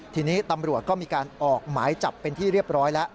ทีนี้ตำรวจก็มีการออกหมายจับเป็นที่เรียบร้อยแล้ว